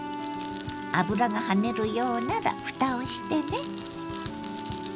油が跳ねるようならふたをしてね。